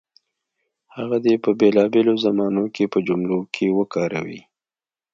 هغه دې په بېلابېلو زمانو کې په جملو کې وکاروي.